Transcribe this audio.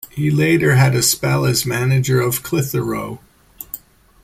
He later had a spell as manager of Clitheroe.